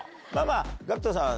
ＧＡＣＫＴさん